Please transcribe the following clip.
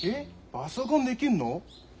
パソコンできるの？